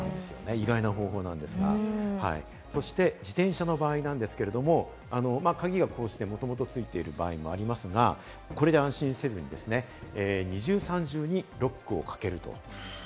意外な方法なんですが、そして自転車の場合なんですけれども、こうやって鍵がもともと付いてる場合もありますが、これで安心せずに、二重、三重にロックをかける。